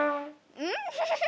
うん！